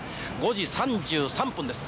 ５時３３分です。